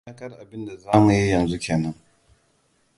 Iyakar abinda za mu yi yanzu ke nan.